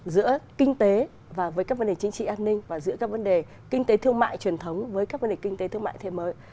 giữa kinh tế và với các vấn đề chính trị an ninh và giữa các vấn đề kinh tế thương mại truyền thống với các vấn đề kinh tế thương mại thế mới